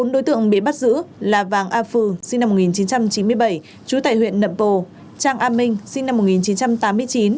bốn đối tượng bị bắt giữ là vàng a phừ sinh năm một nghìn chín trăm chín mươi bảy trú tại huyện nậm bồ trang a minh sinh năm một nghìn chín trăm tám mươi chín